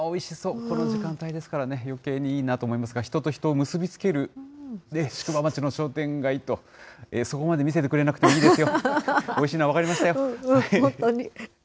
この時間帯ですからね、よけいにいいなと思いますが、人と人を結び付ける宿場町の商店街と、そこまで見せてくれなくてもいいですよ。